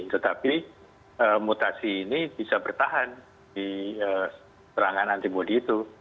tetapi mutasi ini bisa bertahan di serangan antibody itu